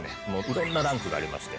色んなランクがありまして。